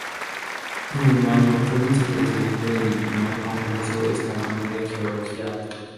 Ese mismo año fue vicepresidente del I Congreso Español de Geología.